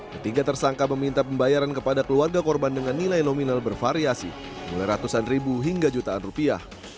ketiga tersangka meminta pembayaran kepada keluarga korban dengan nilai nominal bervariasi mulai ratusan ribu hingga jutaan rupiah